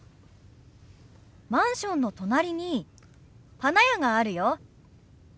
マンションの隣に花屋があるよ。